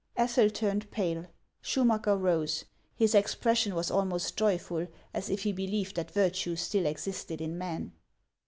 Ethel turned pale. Schumacker rose ; his expression was almost joyful, as if he believed that virtue still existed in men.